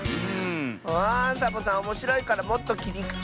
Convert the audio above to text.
あサボさんおもしろいからもっときりくちみせて。